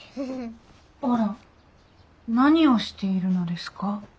あら何をしているのですか？